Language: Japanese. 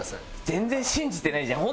全然信じてないじゃん。